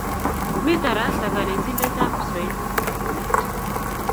Mi tarasa kanetindetap Pswoili.